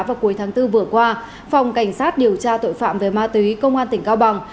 vào cuối tháng bốn vừa qua phòng cảnh sát điều tra tội phạm về ma túy công an tỉnh cao bằng